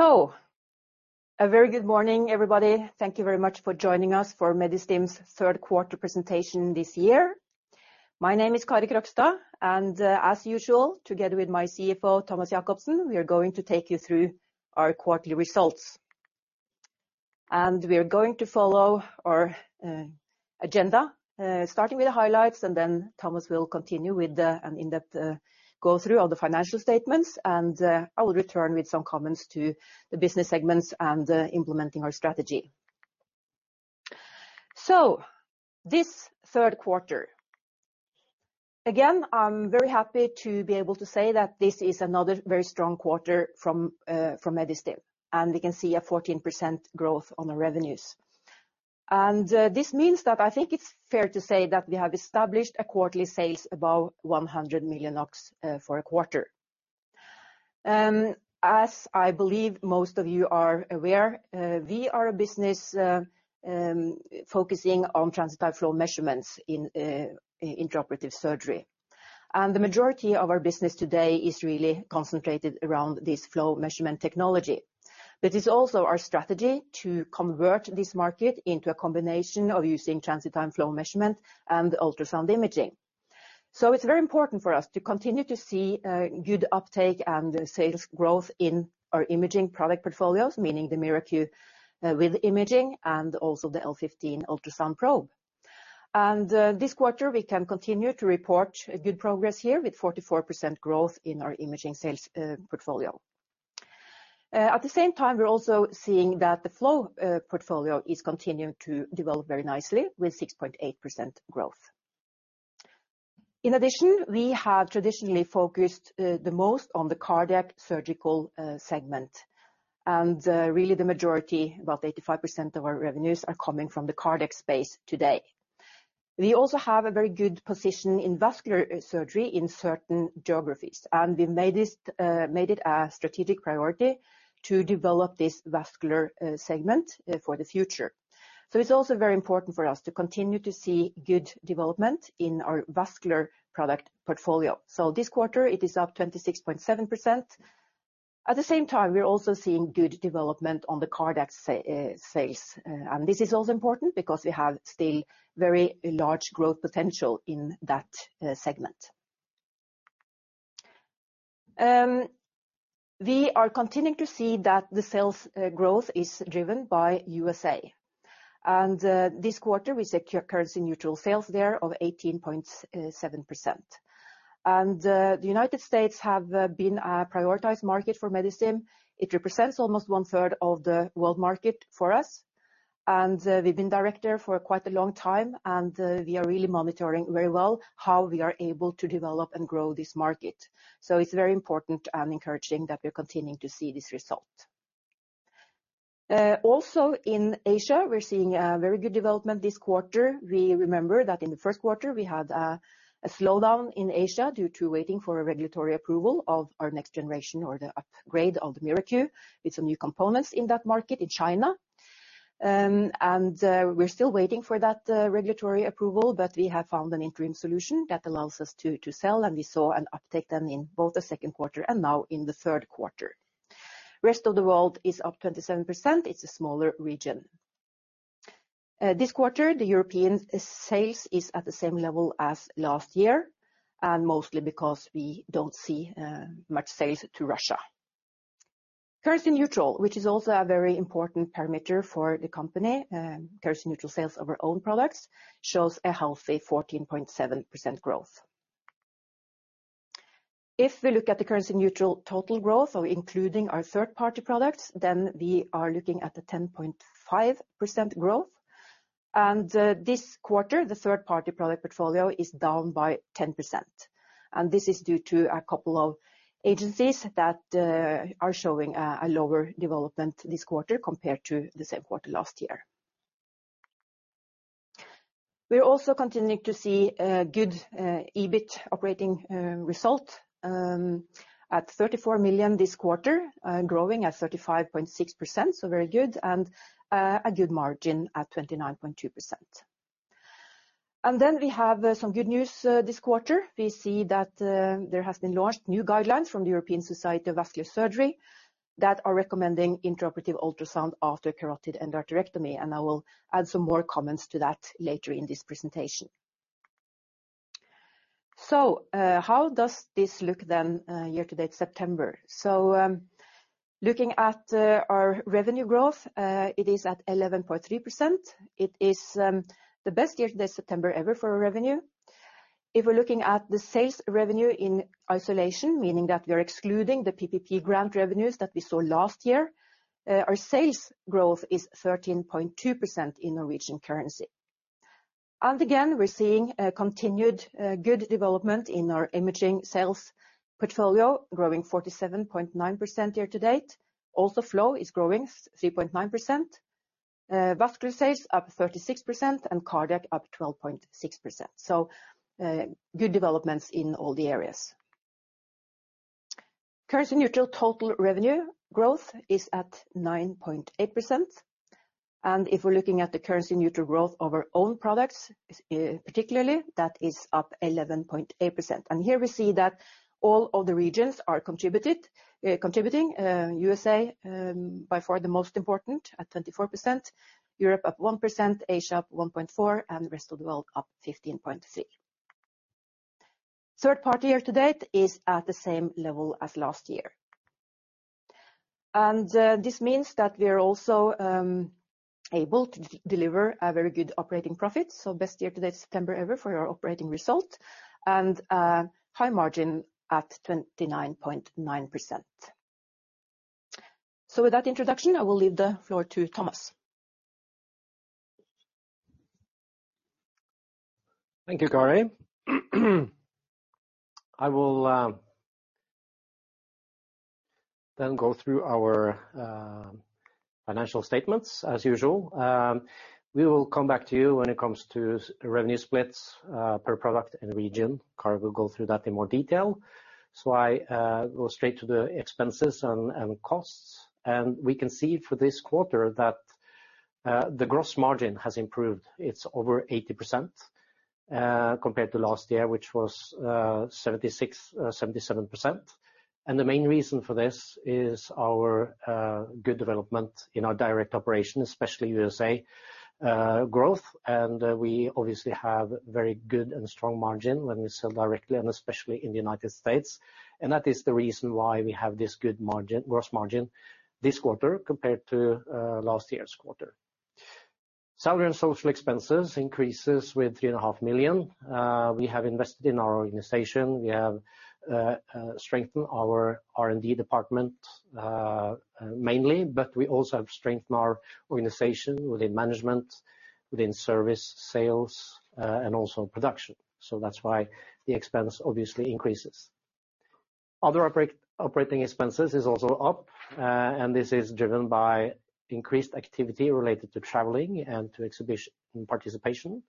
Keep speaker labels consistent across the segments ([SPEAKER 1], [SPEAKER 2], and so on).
[SPEAKER 1] A very good morning, everybody. Thank you very much for joining us for Medistim's third quarter presentation this year. My name is Kari E. Krogstad, and, as usual, together with my CFO, Thomas Jakobsen, we are going to take you through our quarterly results. We are going to follow our agenda, starting with the highlights, and then Thomas will continue with an in-depth go through of the financial statements, and I will return with some comments to the business segments and implementing our strategy. This third quarter, again, I'm very happy to be able to say that this is another very strong quarter from Medistim, and we can see a 14% growth on the revenues. This means that I think it's fair to say that we have established quarterly sales above 100 million for a quarter. As I believe most of you are aware, we are a business focusing on transit time flow measurements in intraoperative surgery. The majority of our business today is really concentrated around this flow measurement technology. It's also our strategy to convert this market into a combination of using transit time flow measurement and ultrasound imaging. It's very important for us to continue to see good uptake and sales growth in our imaging product portfolios, meaning the MiraQ with imaging and also the L15 ultrasound probe. This quarter, we can continue to report good progress here with 44% growth in our imaging sales portfolio. At the same time, we're also seeing that the flow portfolio is continuing to develop very nicely with 6.8% growth. In addition, we have traditionally focused the most on the cardiac surgical segment. Really the majority, about 85% of our revenues are coming from the cardiac space today. We also have a very good position in vascular surgery in certain geographies, and we made it a strategic priority to develop this vascular segment for the future. It's also very important for us to continue to see good development in our vascular product portfolio. This quarter, it is up 26.7%. At the same time, we're also seeing good development on the cardiac sales. This is also important because we have still very large growth potential in that segment. We are continuing to see that the sales growth is driven by U.S.A. This quarter, we secure currency neutral sales there of 18.7%. The United States have been a prioritized market for Medistim. It represents almost 1/3 of the world market for us. We've been direct there for quite a long time, and we are really monitoring very well how we are able to develop and grow this market. It's very important and encouraging that we are continuing to see this result. Also in Asia, we're seeing a very good development this quarter. We remember that in the first quarter, we had a slowdown in Asia due to waiting for a regulatory approval of our next generation or the upgrade of the MiraQ with some new components in that market in China. We're still waiting for that regulatory approval, but we have found an interim solution that allows us to sell, and we saw an uptake then in both the second quarter and now in the third quarter. Rest of the world is up 27%. It's a smaller region. This quarter, the European sales is at the same level as last year, and mostly because we don't see much sales to Russia. Currency neutral, which is also a very important parameter for the company, currency neutral sales of our own products, shows a healthy 14.7% growth. If we look at the currency neutral total growth or including our third-party products, then we are looking at a 10.5% growth. This quarter, the third-party product portfolio is down by 10%, and this is due to a couple of agencies that are showing a lower development this quarter compared to the same quarter last year. We are also continuing to see a good EBIT operating result at 34 million this quarter, growing at 35.6%, so very good, and a good margin at 29.2%. We have some good news this quarter. We see that there has been launched new guidelines from the European Society for Vascular Surgery that are recommending intraoperative ultrasound after carotid endarterectomy, and I will add some more comments to that later in this presentation. How does this look then, year-to-date September? Looking at our revenue growth, it is at 11.3%. It is the best year-to-date September ever for our revenue. If we're looking at the sales revenue in isolation, meaning that we are excluding the PPP grant revenues that we saw last year, our sales growth is 13.2% in Norwegian currency. Again, we're seeing a continued good development in our imaging sales portfolio, growing 47.9% year-to-date. Also, flow is growing 3.9%. Vascular sales up 36% and cardiac up 12.6%. Good developments in all the areas. Currency neutral total revenue growth is at 9.8%. If we're looking at the currency neutral growth of our own products, particularly, that is up 11.8%. Here we see that all of the regions are contributing. U.S.A., by far the most important at 24%. Europe up 1%, Asia up 1.4%, and the rest of the world up 15.3%. Third-party year-to-date is at the same level as last year. This means that we are also able to deliver a very good operating profit. Best year-to-date September ever for our operating result and high margin at 29.9%. With that introduction, I will leave the floor to Thomas.
[SPEAKER 2] Thank you, Kari. I will then go through our financial statements as usual. We will come back to you when it comes to revenue splits per product and region. Kari will go through that in more detail. I go straight to the expenses and costs. We can see for this quarter that the gross margin has improved. It's over 80%, compared to last year, which was 76%-77%. The main reason for this is our good development in our direct operation, especially U.S.A. growth. We obviously have very good and strong margin when we sell directly, and especially in the United States. That is the reason why we have this good margin, gross margin this quarter compared to last year's quarter. Salary and social expenses increase with 3.5 million. We have invested in our organization. We have strengthened our R&D department, mainly, but we also have strengthened our organization within management, within service, sales, and also production. That's why the expense obviously increases. Other operating expenses are also up, and this is driven by increased activity related to traveling and to exhibition participation.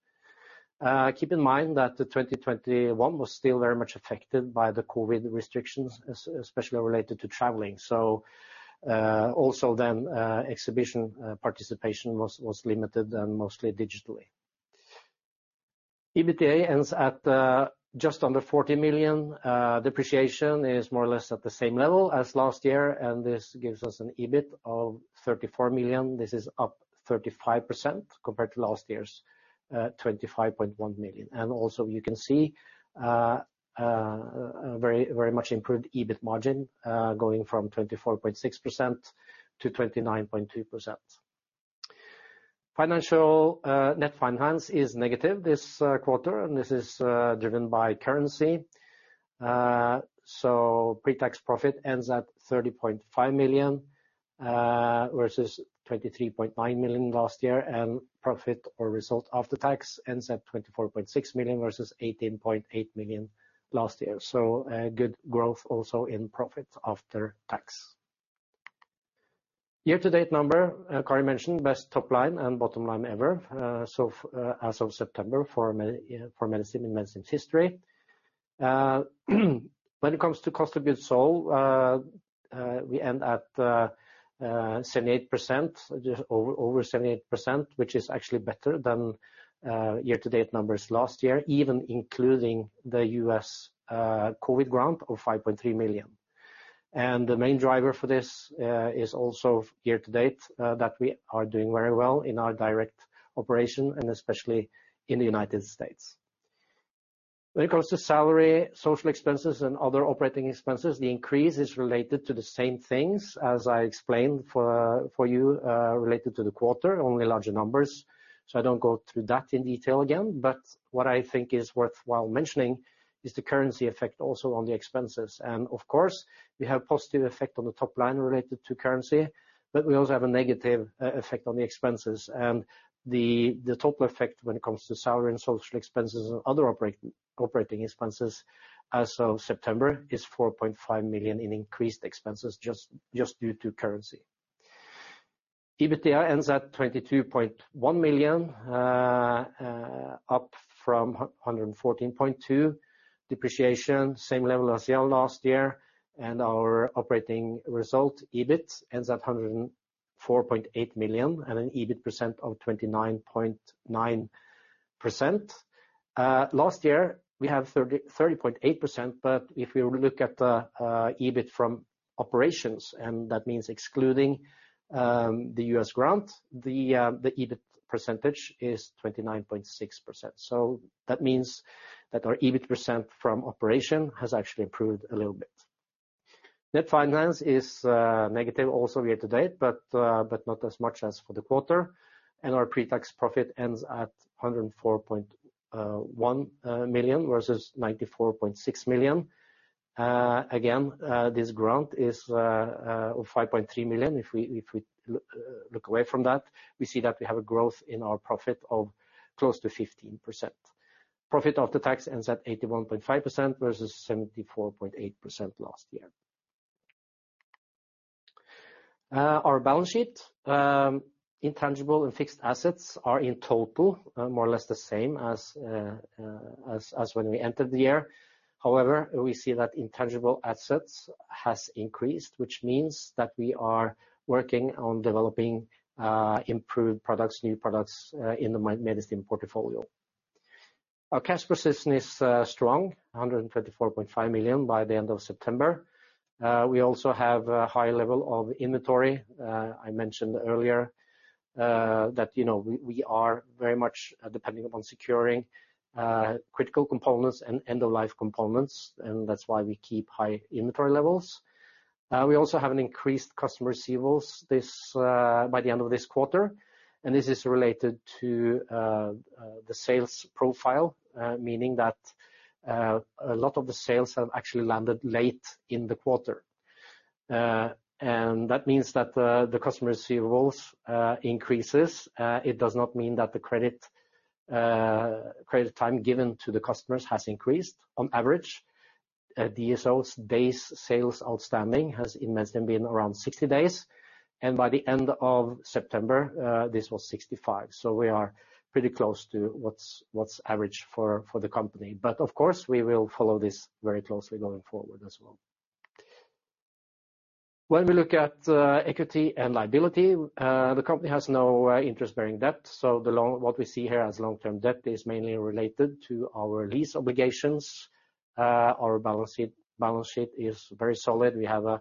[SPEAKER 2] Keep in mind that 2021 was still very much affected by the COVID restrictions, especially related to traveling. Also then, exhibition participation was limited and mostly digitally. EBITDA ends at just under 40 million. Depreciation is more or less at the same level as last year, and this gives us an EBIT of 34 million. This is up 35% compared to last year's 25.1 million. You can see a very much improved EBIT margin going from 24.6% to 29.2%. Net finance is negative this quarter, and this is driven by currency. Pre-tax profit ends at 30.5 million versus 23.9 million last year, and profit or result after tax ends at 24.6 million versus 18.8 million last year. A good growth also in profit after tax. Year-to-date number, Kari mentioned, best top line and bottom line ever, as of September for Medistim in Medistim's history. When it comes to cost of goods sold, we end at just over 78%, which is actually better than year-to-date numbers last year, even including the U.S. COVID grant of 5.3 million. The main driver for this is also year-to-date that we are doing very well in our direct operation and especially in the United States. When it comes to salary, social expenses, and other operating expenses, the increase is related to the same things as I explained for you related to the quarter, only larger numbers. I don't go through that in detail again. What I think is worthwhile mentioning is the currency effect also on the expenses. Of course, we have positive effect on the top line related to currency, but we also have a negative effect on the expenses. The total effect when it comes to salary and social expenses and other operating expenses as of September is 4.5 million in increased expenses just due to currency. EBITDA ends at 122.1 million, up from 114.2 million. Depreciation, same level as last year, and our operating result, EBIT, ends at 104.8 million and an EBIT percent of 29.9%. Last year, we have 30.8%, but if we look at EBIT from operations, and that means excluding the U.S. grant, the EBIT percentage is 29.6%. That means that our EBIT percent from operation has actually improved a little bit. Net finance is negative also year-to-date, but not as much as for the quarter. Our pre-tax profit ends at 104.1 million, versus 94.6 million. Again, this grant is 5.3 million. If we look away from that, we see that we have a growth in our profit of close to 15%. Profit after tax ends at 81.5 million versus 74.8 million last year. Our balance sheet, intangible and fixed assets are in total more or less the same as when we entered the year. However, we see that intangible assets has increased, which means that we are working on developing improved products, new products in the Medistim portfolio. Our cash position is strong, 124.5 million by the end of September. We also have a high level of inventory. I mentioned earlier, that, you know, we are very much depending upon securing critical components and end of life components, and that's why we keep high inventory levels. We also have an increased customer receivables this by the end of this quarter, and this is related to the sales profile, meaning that a lot of the sales have actually landed late in the quarter. That means that the customer receivables increases. It does not mean that the credit time given to the customers has increased on average. DSOs, days sales outstanding, has in Medistim been around 60 days, and by the end of September this was 65. We are pretty close to what's average for the company. Of course, we will follow this very closely going forward as well. When we look at equity and liability, the company has no interest-bearing debt, so what we see here as long-term debt is mainly related to our lease obligations. Our balance sheet is very solid. We have an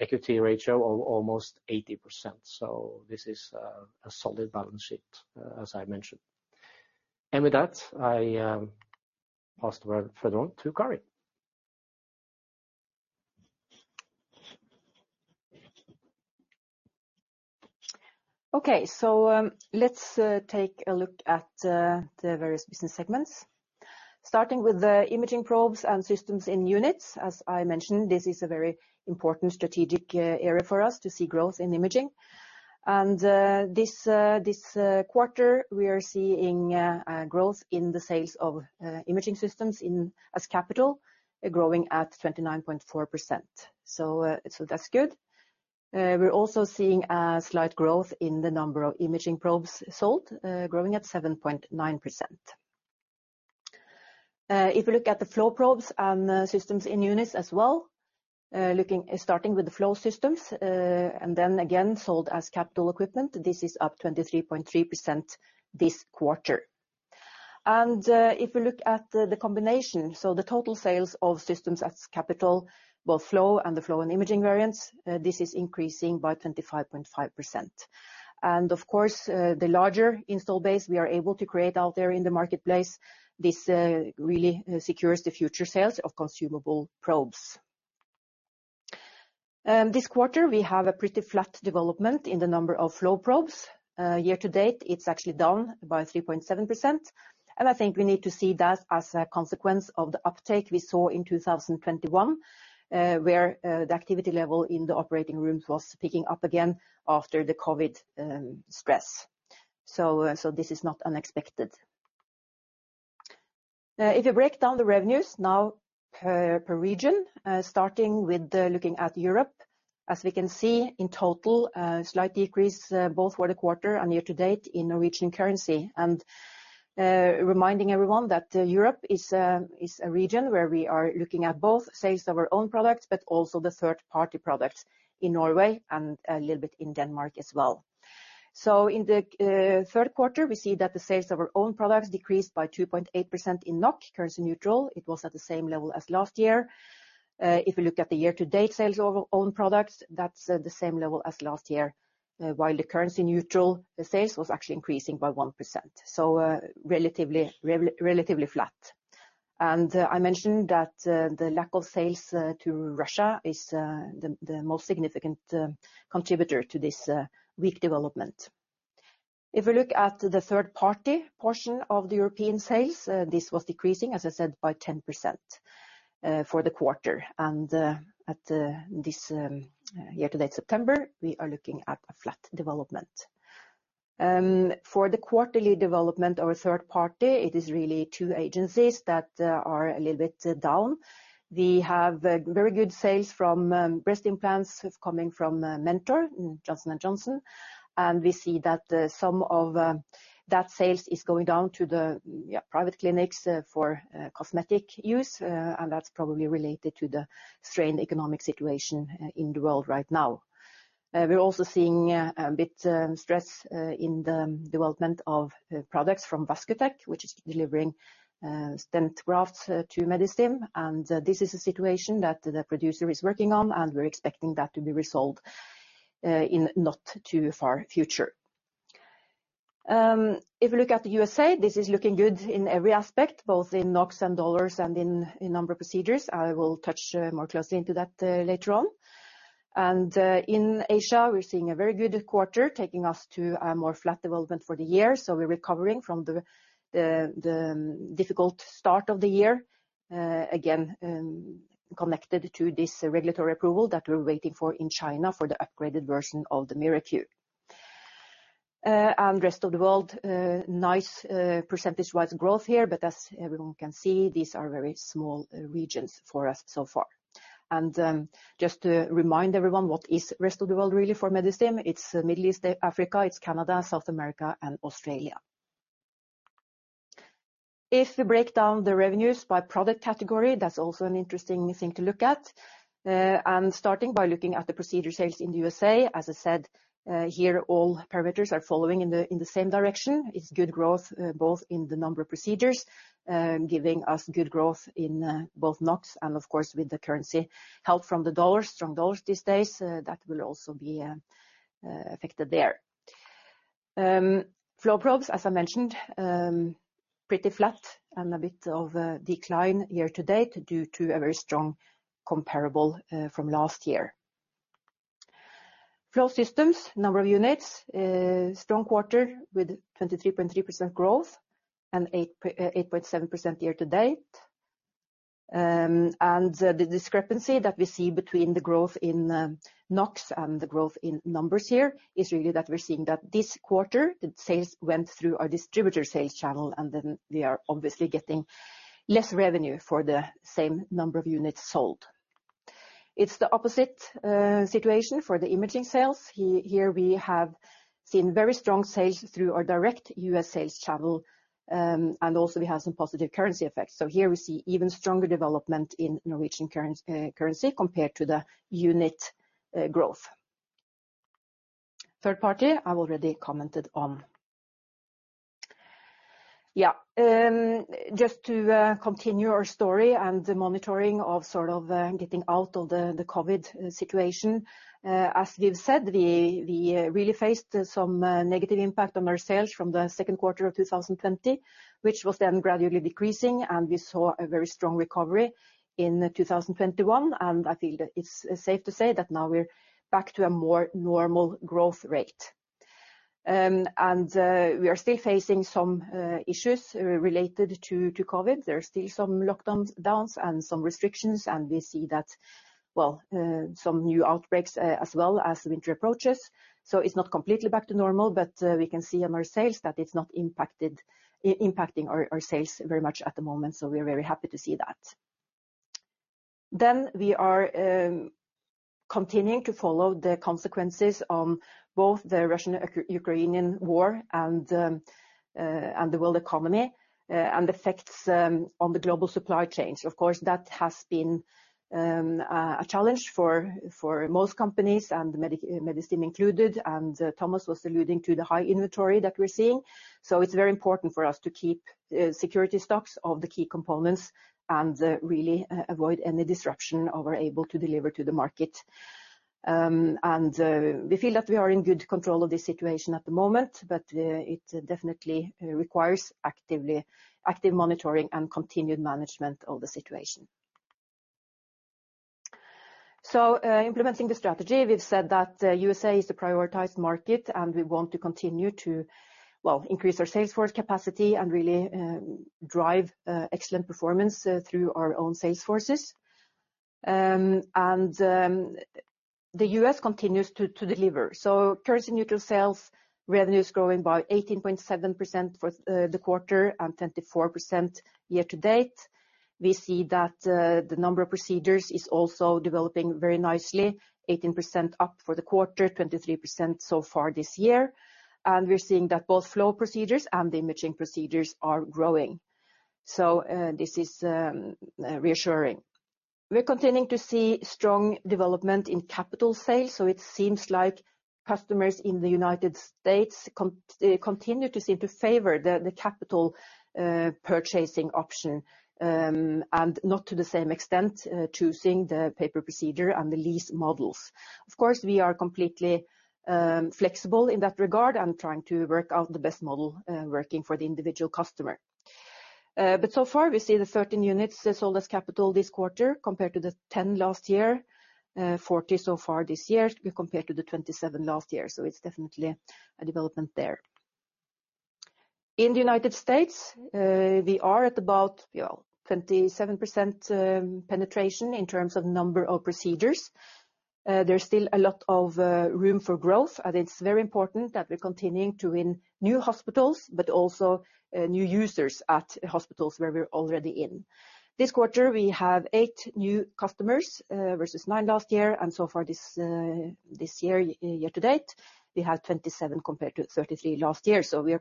[SPEAKER 2] equity ratio of almost 80%, so this is a solid balance sheet, as I mentioned. With that, I pass the word further on to Kari.
[SPEAKER 1] Okay. Let's take a look at the various business segments. Starting with the imaging probes and systems in units. As I mentioned, this is a very important strategic area for us to see growth in imaging. This quarter, we are seeing growth in the sales of imaging systems in units as capital, growing at 29.4%. That's good. We're also seeing a slight growth in the number of imaging probes sold, growing at 7.9%. If you look at the flow probes and systems in units as well, starting with the flow systems, and then again sold as capital equipment, this is up 23.3% this quarter. If you look at the combination, the total sales of systems as capital, both flow and imaging variants, this is increasing by 25.5%. Of course, the larger install base we are able to create out there in the marketplace, this really secures the future sales of consumable probes. This quarter, we have a pretty flat development in the number of flow probes. Year-to-date, it's actually down by 3.7%, and I think we need to see that as a consequence of the uptake we saw in 2021, where the activity level in the operating rooms was picking up again after the COVID stress. This is not unexpected. If you break down the revenues now per region, starting with looking at Europe, as we can see in total, slight decrease both for the quarter and year-to-date in Norwegian currency. Reminding everyone that Europe is a region where we are looking at both sales of our own products, but also the third-party products in Norway and a little bit in Denmark as well. In the third quarter, we see that the sales of our own products decreased by 2.8% in NOK currency neutral. It was at the same level as last year. If we look at the year-to-date sales of our own products, that's the same level as last year. While currency neutral, the sales was actually increasing by 1%, relatively flat. I mentioned that the lack of sales to Russia is the most significant contributor to this weak development. If we look at the third-party portion of the European sales, this was decreasing, as I said, by 10% for the quarter. At this year-to-date September, we are looking at a flat development. For the quarterly development of third-party, it is really two agencies that are a little bit down. We have very good sales from breast implants coming from Mentor, Johnson & Johnson. We see that some of that sales is going down to the private clinics for cosmetic use, and that's probably related to the strained economic situation in the world right now. We're also seeing a bit stress in the development of products from Vascutek, which is delivering stent grafts to Medistim. This is a situation that the producer is working on, and we're expecting that to be resolved in not too far future. If you look at the U.S.A., this is looking good in every aspect, both in NOKs and dollars and in number of procedures. I will touch more closely into that later on. In Asia, we're seeing a very good quarter, taking us to a more flat development for the year. We're recovering from the difficult start of the year, again connected to this regulatory approval that we're waiting for in China for the upgraded version of the MiraQ. Rest of the world, nice percentage-wise growth here, but as everyone can see, these are very small regions for us so far. Just to remind everyone what is rest of the world really for Medistim, it's Middle East, Africa, it's Canada, South America and Australia. If we break down the revenues by product category, that's also an interesting thing to look at. Starting by looking at the procedure sales in the U.S.A., as I said, here all parameters are following in the same direction. It's good growth both in the number of procedures, giving us good growth in both NOK and of course, with the currency help from the dollar, strong dollar these days, that will also be affected there. Flow probes, as I mentioned, pretty flat and a bit of a decline year-to-date due to a very strong comparable from last year. Flow systems, number of units, strong quarter with 23.3% growth and 8.7% year-to-date. The discrepancy that we see between the growth in NOK and the growth in numbers here is really that we're seeing that this quarter, the sales went through our distributor sales channel, and then we are obviously getting less revenue for the same number of units sold. It's the opposite situation for the imaging sales. Here we have seen very strong sales through our direct U.S. sales channel, and also we have some positive currency effects. Here we see even stronger development in Norwegian currency compared to the unit growth. Third party, I've already commented on. Yeah. Just to continue our story and the monitoring of sort of getting out of the COVID situation, as we've said, we really faced some negative impact on our sales from the second quarter of 2020, which was then gradually decreasing, and we saw a very strong recovery in 2021. I feel that it's safe to say that now we're back to a more normal growth rate. We are still facing some issues related to COVID. There are still some lockdowns and some restrictions, and we see that some new outbreaks, as well as the winter approaches. It's not completely back to normal, but we can see on our sales that it's not impacting our sales very much at the moment. We're very happy to see that. We are continuing to follow the consequences on both the Russian-Ukrainian War and the world economy and effects on the global supply chains. Of course, that has been a challenge for most companies and Medistim included. Thomas was alluding to the high inventory that we're seeing. It's very important for us to keep security stocks of the key components and really avoid any disruption of our ability to deliver to the market. We feel that we are in good control of this situation at the moment, but it definitely requires active monitoring and continued management of the situation. Implementing the strategy, we've said that U.S. is a prioritized market, and we want to continue to, well, increase our sales force capacity and really drive excellent performance through our own sales forces. The U.S. continues to deliver. Currency neutral sales revenues growing by 18.7% for the quarter and 24% year-to-date. We see that the number of procedures is also developing very nicely, 18% up for the quarter, 23% so far this year. We're seeing that both flow procedures and the imaging procedures are growing. This is reassuring. We're continuing to see strong development in capital sales, so it seems like customers in the United States continue to seem to favor the capital purchasing option, and not to the same extent choosing the pay-per-procedure and the lease models. Of course, we are completely flexible in that regard and trying to work out the best model working for the individual customer. So far, we see the 13 units sold as capital this quarter compared to the 10 last year, 40 so far this year compared to the 27 last year. It's definitely a development there. In the United States, we are at about 27% penetration in terms of number of procedures. There's still a lot of room for growth, and it's very important that we're continuing to win new hospitals, but also new users at hospitals where we're already in. This quarter, we have eight new customers versus nine last year. So far this year-to-date, we have 27 compared to 33 last year. We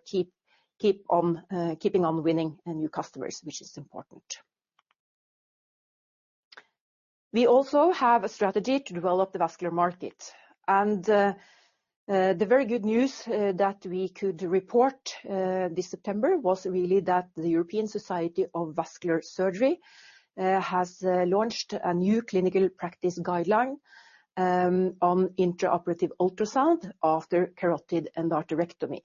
[SPEAKER 1] keep on keeping on winning new customers, which is important. We also have a strategy to develop the vascular market. The very good news that we could report this September was really that the European Society for Vascular Surgery has launched a new clinical practice guideline on intraoperative ultrasound after carotid endarterectomy.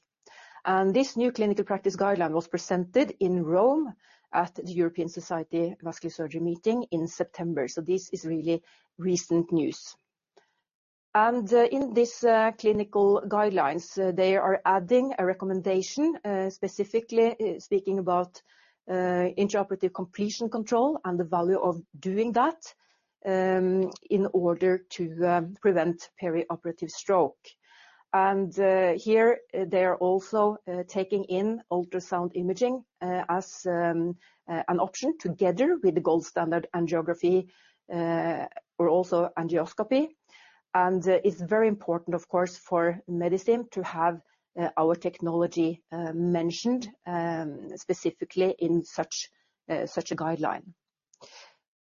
[SPEAKER 1] This new clinical practice guideline was presented in Rome at the European Society for Vascular Surgery meeting in September. This is really recent news. In this clinical guidelines, they are adding a recommendation specifically speaking about intraoperative completion control and the value of doing that in order to prevent perioperative stroke. Here they are also taking in ultrasound imaging as an option together with the gold standard angiography or also angioscopy. It's very important, of course, for Medistim to have our technology mentioned specifically in such a guideline.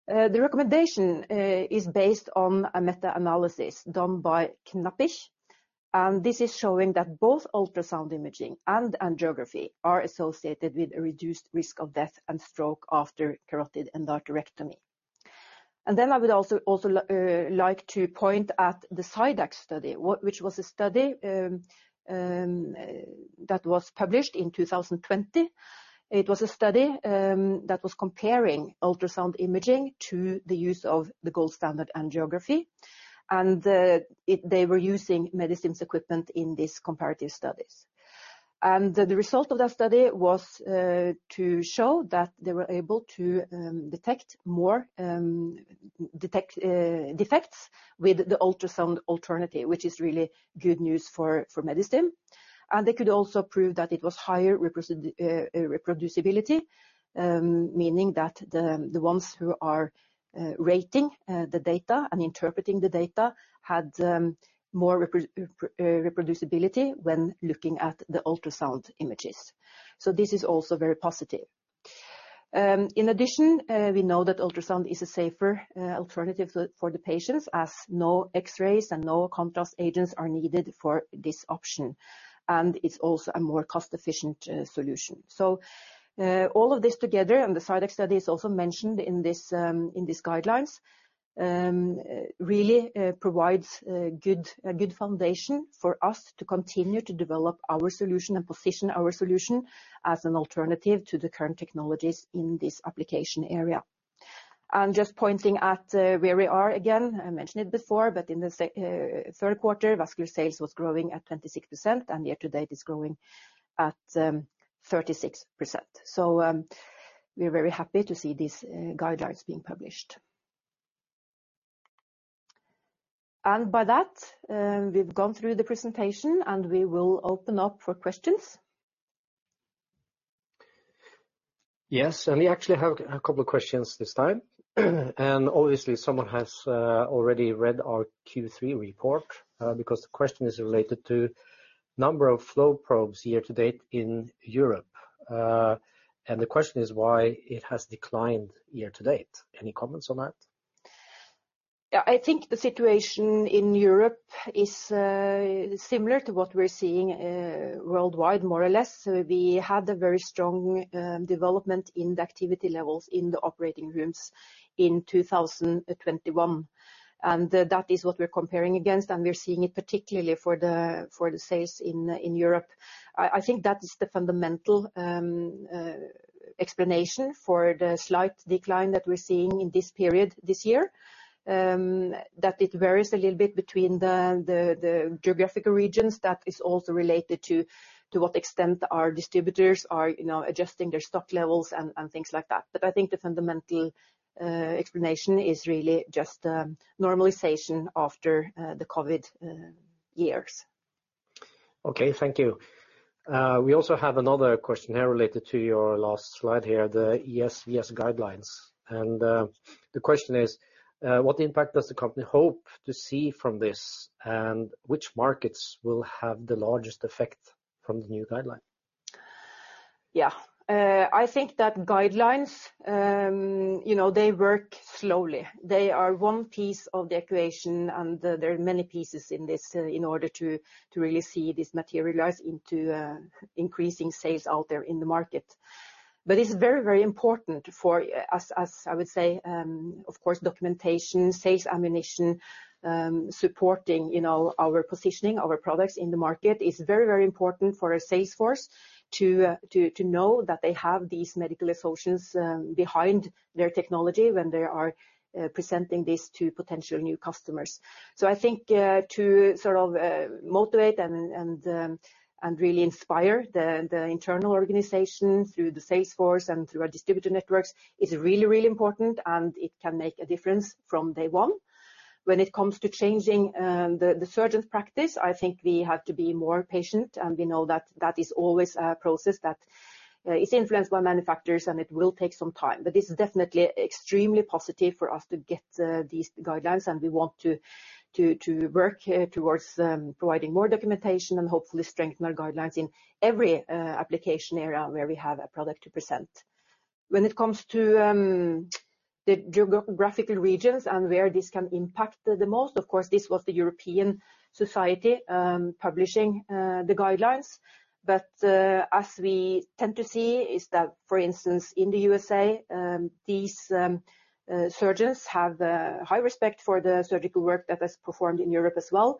[SPEAKER 1] The recommendation is based on a meta-analysis done by Knapik, and this is showing that both ultrasound imaging and angiography are associated with a reduced risk of death and stroke after carotid endarterectomy. I would also like to point at the SIDAG study, which was a study that was published in 2020. It was a study that was comparing ultrasound imaging to the use of the gold standard angiography. They were using Medistim's equipment in these comparative studies. The result of that study was to show that they were able to detect more defects with the ultrasound alternative, which is really good news for Medistim. They could also prove that it was higher reproducibility, meaning that the ones who are rating the data and interpreting the data had more reproducibility when looking at the ultrasound images. This is also very positive. In addition, we know that ultrasound is a safer alternative for the patients, as no X-rays and no contrast agents are needed for this option. It's also a more cost-efficient solution. All of this together, and the SIDAG study is also mentioned in these guidelines really provides a good foundation for us to continue to develop our solution and position our solution as an alternative to the current technologies in this application area. I'm just pointing at where we are again. I mentioned it before, but in the third quarter, vascular sales was growing at 26%, and year-to-date it's growing at 36%. We're very happy to see these guidelines being published. By that, we've gone through the presentation, and we will open up for questions.
[SPEAKER 2] Yes, and we actually have a couple of questions this time. Obviously, someone has already read our Q3 report, because the question is related to number of flow probes year-to-date in Europe. The question is why it has declined year-to-date. Any comments on that?
[SPEAKER 1] Yeah, I think the situation in Europe is similar to what we're seeing worldwide, more or less. We had a very strong development in the activity levels in the operating rooms in 2021, and that is what we're comparing against, and we're seeing it particularly for the sales in Europe. I think that is the fundamental explanation for the slight decline that we're seeing in this period this year. That it varies a little bit between the geographical regions, that is also related to what extent our distributors are, you know, adjusting their stock levels and things like that. I think the fundamental explanation is really just normalization after the COVID years.
[SPEAKER 2] Okay. Thank you. We also have another question here related to your last slide here, the ESVS guidelines. The question is, what impact does the company hope to see from this, and which markets will have the largest effect from the new guideline?
[SPEAKER 1] Yeah. I think that guidelines, you know, they work slowly. They are one piece of the equation, and there are many pieces in this in order to really see this materialize into increasing sales out there in the market. It's very, very important for, as I would say, of course, documentation, sales ammunition, supporting, you know, our positioning, our products in the market. It's very, very important for our sales force to know that they have these medical associations behind their technology when they are presenting this to potential new customers. I think to sort of motivate and really inspire the internal organization through the sales force and through our distributor networks is really, really important, and it can make a difference from day one. When it comes to changing the surgeons' practice, I think we have to be more patient, and we know that is always a process that is influenced by manufacturers, and it will take some time. This is definitely extremely positive for us to get these guidelines, and we want to work towards providing more documentation and hopefully strengthen our guidelines in every application area where we have a product to present. When it comes to the geographical regions and where this can impact the most, of course, this was the European Society publishing the guidelines. As we tend to see is that, for instance, in the U.S.A., these surgeons have a high respect for the surgical work that is performed in Europe as well.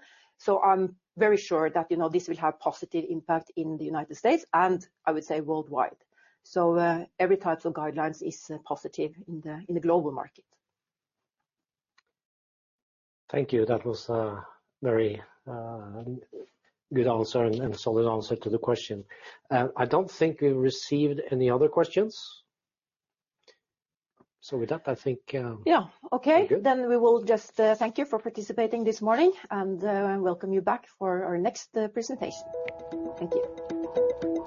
[SPEAKER 1] I'm very sure that, you know, this will have positive impact in the United States, and I would say worldwide. Every types of guidelines is positive in the global market.
[SPEAKER 2] Thank you. That was a very good answer and solid answer to the question. I don't think we received any other questions. With that, I think...
[SPEAKER 1] Yeah. Okay.
[SPEAKER 2] We're good.
[SPEAKER 1] We will just thank you for participating this morning and welcome you back for our next presentation. Thank you.